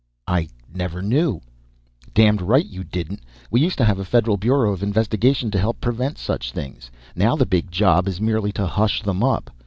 "I never knew " "Damned right you didn't! We used to have a Federal Bureau of Investigation to help prevent such things. Now the big job is merely to hush them up.